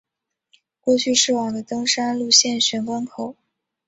过去是往的登山路线玄关口。